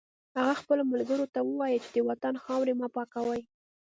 هغه خپلو ملګرو ته وویل چې د وطن خاورې مه پاکوئ